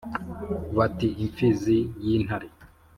Bati: Imfizi y'intare